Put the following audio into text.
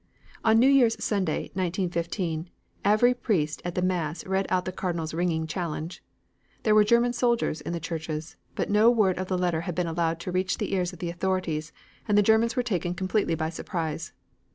On New Year's Sunday, 1915, every priest at the Mass read out the Cardinal's ringing challenge. There were German soldiers in the churches, but no word of the letter had been allowed to reach the ears of the authorities, and the Germans were taken completely by surprise.